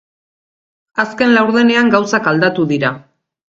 Azken laurdenean gauzak aldatu dira.